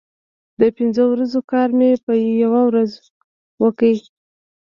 د پنځو ورځو کار مې په یوه ورځ وکړ.